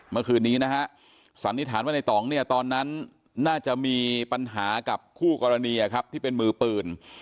เมื่อคืนนี้นะฮะสันนิษฐานว่าในต่องเนี่ยตอนนั้นน่าจะมีปัญหากับคู่กรณีครับที่เป็นมือปืน